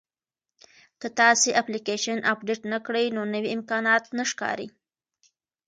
که تاسي اپلیکیشن اپډیټ نه کړئ نو نوي امکانات نه ښکاري.